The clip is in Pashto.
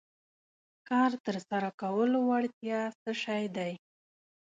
کار تر سره کولو وړتیا څه شی دی.